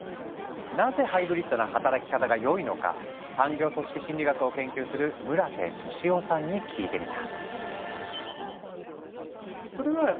なぜハイブリッドな働き方が良いのか産業組織心理学を研究する村瀬俊朗さんに聞いてみた。